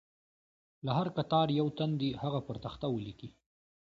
له هر کتار یو تن دې هغه پر تخته ولیکي.